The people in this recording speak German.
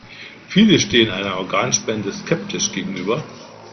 Viele stehen einer Organspende skeptisch gegenüber.